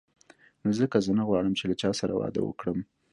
نو ځکه زه نه غواړم چې له چا سره واده وکړم.